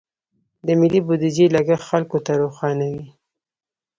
د ملي بودیجې لګښت خلکو ته روښانه وي.